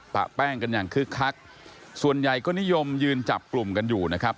ปะแป้งกันอย่างคึกคักส่วนใหญ่ก็นิยมยืนจับกลุ่มกันอยู่นะครับ